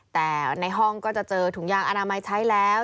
แต่ในห้องก็จะเจอถุงยางอนามัยใช้แล้ว